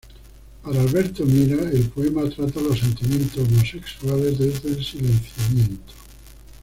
Para Alberto Mira, el poema trata los sentimientos homosexuales desde el silenciamiento.